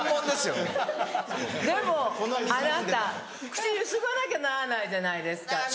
でもあなた口ゆすがなきゃならないじゃないですか。